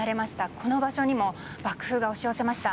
この場所にも爆風が押し寄せました。